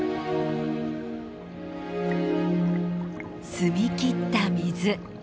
澄み切った水。